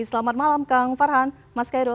selamat malam kang farhan mas kairul